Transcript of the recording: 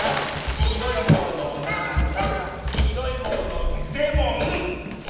「きいろいものなんだ？」